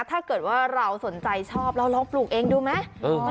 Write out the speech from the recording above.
ถ้าเกิดว่าเราสนใจชอบเราลองปลูกเองดูไหม